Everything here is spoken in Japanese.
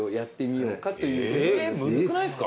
えむずくないですか？